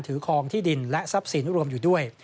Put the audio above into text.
คลองที่ดินและทรัพย์สินรวมอยู่ด้วย